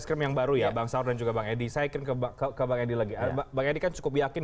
sekarang ya kita akan menyingkirkan